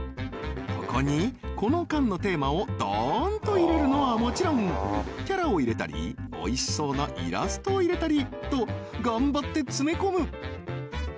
ここにこの巻のテーマをドーンと入れるのはもちろんキャラを入れたりおいしそうなイラストを入れたりと頑張って詰め込む！